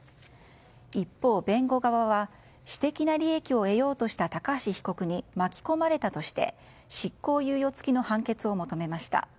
一方、弁護側は私的な利益を得ようとした高橋被告に巻き込まれたとして執行猶予付きの判決を求めました。